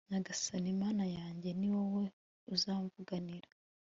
nyagasani mana yanjye, ni wowe uzamvuganira